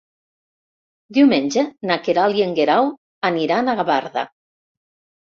Diumenge na Queralt i en Guerau aniran a Gavarda.